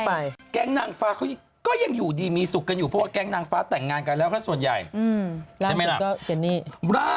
หลังเราไม่ค่อยได้ยินชื่อแก๊งนางฟ้ากันเลยนะ